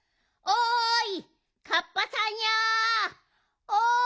おい！